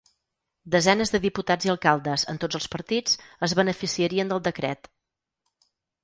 Desenes de diputats i alcaldes en tots els partits es beneficiarien del decret.